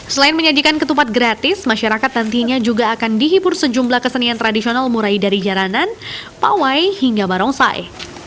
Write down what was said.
selain menyajikan ketupat gratis masyarakat nantinya juga akan dihibur sejumlah kesenian tradisional mulai dari jaranan pawai hingga barongsai